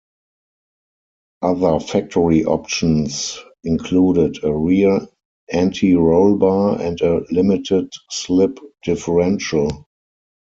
Other factory options included a rear anti-roll bar and a limited-slip differential.